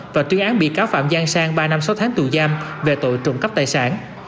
và tuyên án bị cáo phạm giang sang ba năm sáu tháng tù giam về tội trộm cắp tài sản